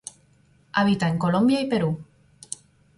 Habita en Colombia y Perú.